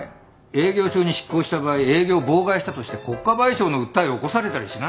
営業中に執行した場合営業を妨害したとして国家賠償の訴えを起こされたりしない？